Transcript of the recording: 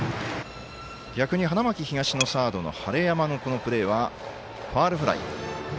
逆に花巻東のサードの晴山のこのプレーはファウルフライ。